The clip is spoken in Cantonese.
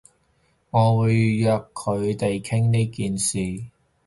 我會約佢哋傾呢件事